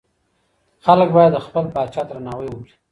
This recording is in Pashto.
خلګ بايد د خپل پاچا درناوی وکړي.